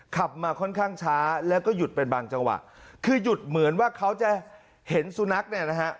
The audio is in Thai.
ขับมาค่อนข้างช้าแล้วก็หยุดเป็นบางจังหวะคือหยุดเหมือนว่าเขาจะเห็นสุนัขเนี่ยนะฮะ